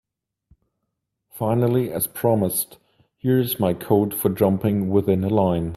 Finally, as promised, here is my code for jumping within a line.